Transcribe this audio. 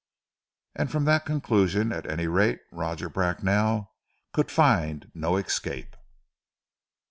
And from that conclusion, at any rate, Roger Bracknell could find no escape.